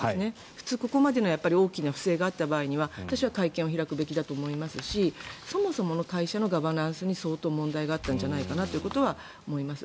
普通、ここまでの大きな不正があった場合には私は会見を開くべきだと思いますしそもそもの会社のガバナンスに相当問題があったんじゃないかとは思います。